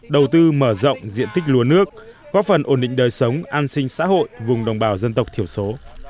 đầu tư mở rộng diện tích lúa nước góp phần ổn định đời sống an sinh xã hội vùng đồng bào dân tộc thiểu số